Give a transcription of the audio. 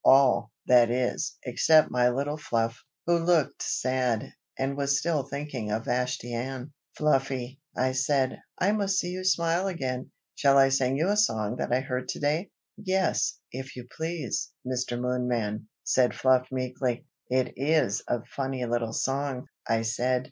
all, that is, except my little Fluff, who looked sad, and was still thinking of Vashti Ann. "Fluffy," I said, "I must see you smile again. Shall I sing you a song that I heard to day?" "Yes, if you please, Mr. Moonman!" said Fluff meekly. "It is a funny little song," I said.